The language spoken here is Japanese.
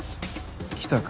来たか。